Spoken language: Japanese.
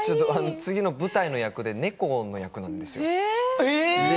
次の舞台の役で猫の役なんですよ。